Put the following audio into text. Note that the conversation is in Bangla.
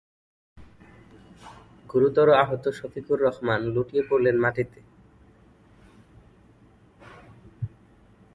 গুরুতর আহত শফিকুর রহমান লুটিয়ে পড়লেন মাটিতে।